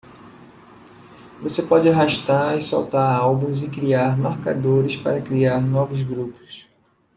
Você pode arrastar e soltar álbuns e criar marcadores para criar novos grupos.